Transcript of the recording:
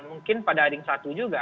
mungkin pada ring satu juga